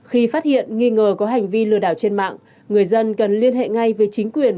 khi phát hiện nghi ngờ có hành vi lừa đảo trên mạng người dân cần liên hệ ngay với chính quyền